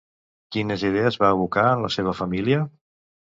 Quines idees va abocar en la seva família?